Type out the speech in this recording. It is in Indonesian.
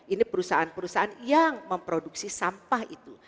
ini perusahaan perusahaan yang memproduksi sampah itu